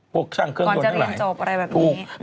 ช่างเครื่องก่อนจะเรียนจบอะไรแบบนี้